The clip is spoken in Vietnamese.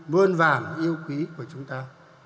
mươn vàng yêu quý của chúng ta